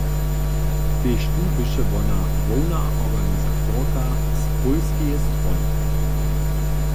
Tež tu běše wona hłowna organizatorka z pólskeje strony.